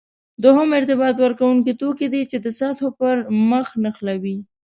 دویم ارتباط ورکوونکي توکي دي چې د سطحو پرمخ نښلوي.